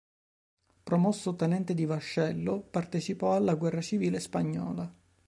Promosso tenente di vascello, partecipò alla guerra civile spagnola.